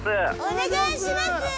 お願いします！